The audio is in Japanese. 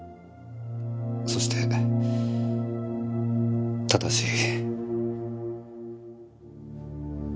そして正しい。